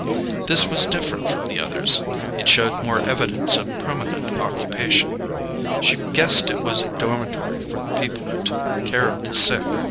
This was different from the others. It showed more evidence of permanent occupation. She guessed it was a dormitory for the people who took care of the sick.